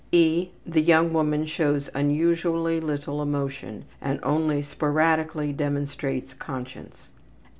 (e) The young woman shows unusually little emotion, and only sporadically demonstrates conscience.